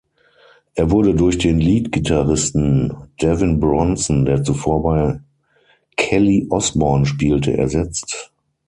Er wurde durch den Leadgitarristen Devin Bronson, der zuvor bei Kelly Osbourne spielte, ersetzt.